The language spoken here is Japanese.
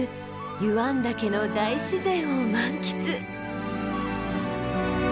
湯湾岳の大自然を満喫！